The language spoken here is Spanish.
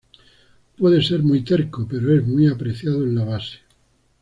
Puede ser muy terco, pero es muy apreciado en la base.